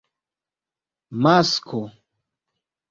masko